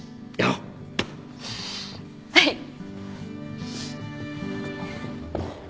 はい。